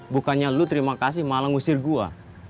bukannya lo terima kasih malah ngusir gue